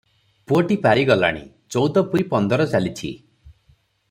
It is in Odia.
ପୁଅଟି ପାରି ଗଲାଣି, ଚଉଦ ପୁରୀ ପନ୍ଦର ଚାଲିଛି ।